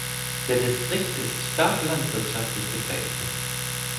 Der Distrikt ist stark landwirtschaftlich geprägt.